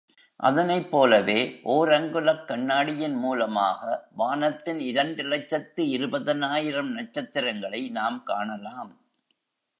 அதனைப்போலவே, ஓர் அங்குலக் கண்ணாடியின் மூலமாக வானத்தின் இரண்டு லட்சத்து இருபதனாயிரம் நட்சத்திரங்களை நாம் காணலாம்.